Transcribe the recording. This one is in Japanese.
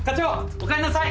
おかえりなさい！